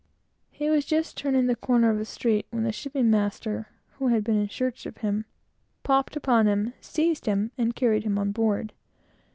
He was just turning the corner of a street, when the shipping master, who had been in search of him, popped upon him, seized him, and carried him on board.